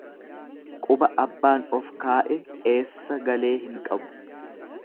Quba abbaan of kaa'e eessa galee hin qabu.